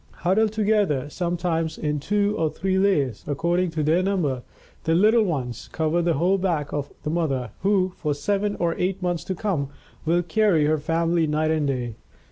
Huddled together, sometimes in two or three layers, according to their number, the little ones cover the whole back of the mother, who, for seven or eight months to come, will carry her family night and day.